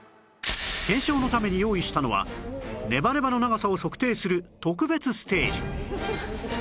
検証のために用意したのはネバネバの長さを測定する特別ステージ